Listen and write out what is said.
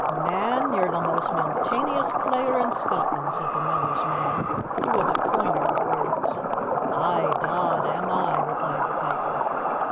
"Man, ye're the most mountaineous player in Scotland!" said the miller's man, who was a coiner of words. "Aye, dod, am I!" replied the piper.